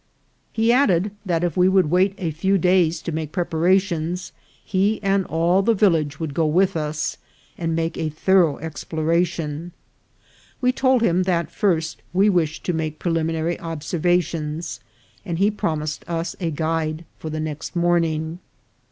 He added that if we would wait a few days to make prep arations, he and all the village would go with us, and make a thorough exploration. "We told him that first we wished to make preliminary observations, and he promised us a guide for the next morning.